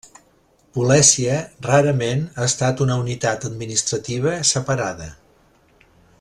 Polèsia rarament ha estat una unitat administrativa separada.